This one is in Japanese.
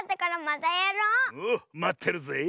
おうまってるぜえ。